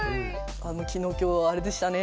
「あの昨日今日あれでしたね」